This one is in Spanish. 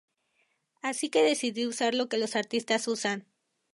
Así que decidí usar lo que los artistas usan.